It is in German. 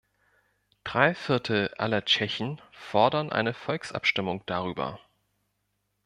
Drei Viertel aller Tschechen fordern eine Volksabstimmung darüber.